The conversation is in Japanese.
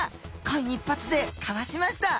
間一髪でかわしました。